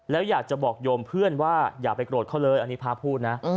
แล้วอยากจะบอกโยมเพื่อนว่าอย่าไปโกรธเขาเลยอันนี้พระพูดนะ